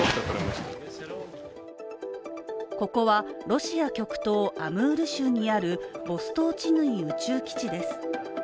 ここはロシア極東アムール州にあるボストーチヌイ宇宙基地です。